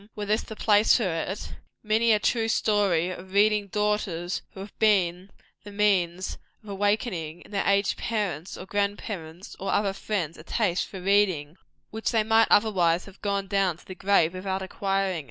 ] I could tell them were this the place for it many a true story of reading daughters who have been the means of awakening, in their aged parents, or grand parents, or other friends, a taste for reading, which they might otherwise have gone down to the grave without acquiring.